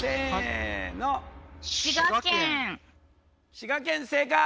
滋賀県正解！